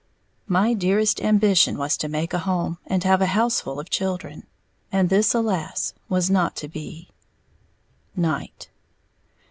My dearest ambition was to make a home, and have a houseful of children; and this, alas, was not to be! _Night.